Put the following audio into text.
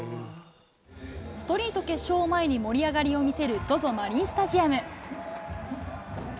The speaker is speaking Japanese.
ストリート決勝を前に、盛り上がりを見せるＺＯＺＯマリンスタジアム。